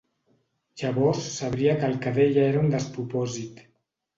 Llavors sabria que el que deia era un despropòsit.